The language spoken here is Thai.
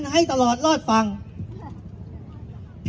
สวัสดีครับ